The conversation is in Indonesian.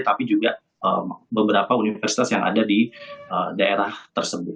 tapi juga beberapa universitas yang ada di daerah tersebut